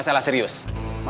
tidak ada yang harus diubah